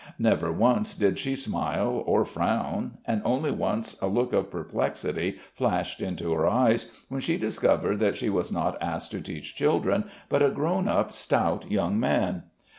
Never once did she smile or frown, and only once a look of perplexity flashed into her eyes, when she discovered that she was not asked to teach children but a grown up, stout young man.